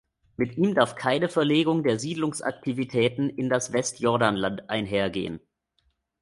Mit ihm darf keine Verlegung der Siedlungsaktivitäten in das Westjordanland einhergehen.